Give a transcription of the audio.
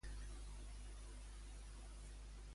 És un poderós llibre de poemes que el poeta Mundó admira.